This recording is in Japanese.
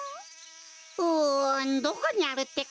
うんどこにあるってか？